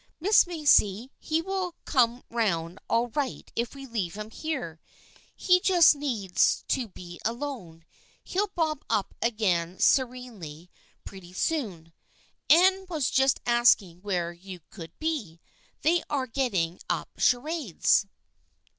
" Miss Macy, he will come round all right if we leave him here. He just needs to THE FRIENDSHIP OF ANNE 163 be alone. He'll bob up again serenely pretty soon. Anne was just asking where you could be. They are getting up charades."